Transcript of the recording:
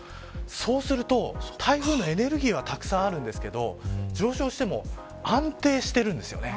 そうすると、台風のエネルギーはたくさんあるんですけど上昇しても安定しているんですよね。